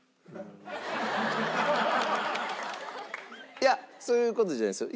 いやそういう事じゃないですよ。